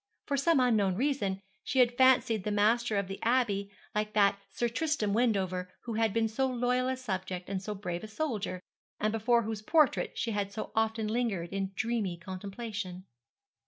For some unknown reason she had fancied the master of the Abbey like that Sir Tristram Wendover who had been so loyal a subject and so brave a soldier, and before whose portrait she had so often lingered in dreamy contemplation.